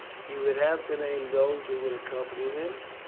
He would have to name those who would accompany him.